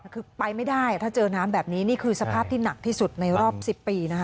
คือไปไม่ได้ถ้าเจอน้ำแบบนี้นี่คือสภาพที่หนักที่สุดในรอบ๑๐ปีนะคะ